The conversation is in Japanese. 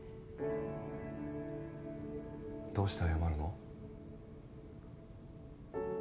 どうして謝るの？